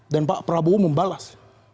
dan pak prabowo membalas